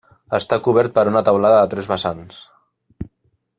Està cobert per una teulada de tres vessants.